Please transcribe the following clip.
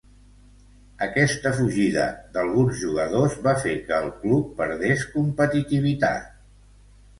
Aquesta fugida d'alguns jugadors va fer que el club perdés competitivitat.